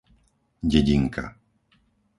Dedinka